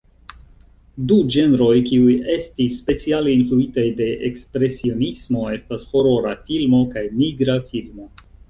Du ĝenroj kiuj estis speciale influitaj de Ekspresionismo estas horora filmo kaj nigra filmo.